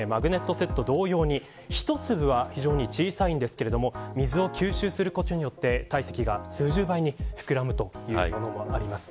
セット同様に１粒は非常に小さいんですけれども水を吸収することで体積が数十倍に膨らむというものもあります。